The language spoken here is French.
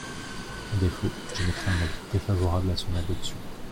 À défaut, j’émettrai un avis défavorable à son adoption.